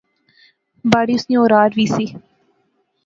باڑی اس نی اورار وی سی